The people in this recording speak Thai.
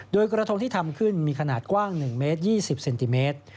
โดยกระทงที่ทำขึ้นมีขนาดกว้าง๑เมตร๒๐เซนติเมตร